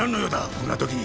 こんな時に。